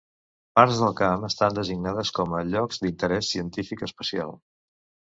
Parts del camp estan designades com a llocs d'interès científic especial.